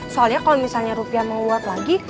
soalnya kalau misalnya rupiah menguat lagi